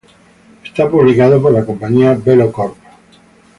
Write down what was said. Es publicado por la compañía Belo Corp.